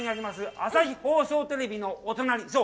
朝日放送テレビのお隣、そう！